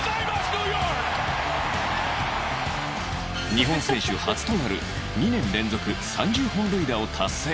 日本選手初となる２年連続３０本塁打を達成